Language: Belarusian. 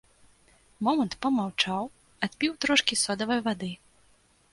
Момант памаўчаў, адпіў трошкі содавай вады.